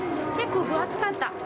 結構分厚かった。